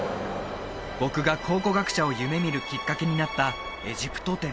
僕が考古学者を夢見るきっかけになったエジプト展